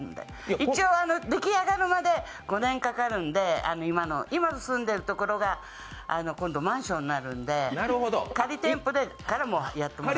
一応、できあがるまで５年かかるんで今の住んでるところが今度、マンションになるので、仮店舗からやってもらう。